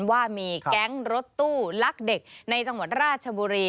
ว่ามีแก๊งรถตู้ลักเด็กในจังหวัดราชบุรี